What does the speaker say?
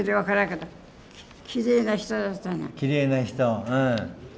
きれいな人うん。